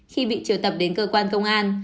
khi bị triều tập đến cơ quan công an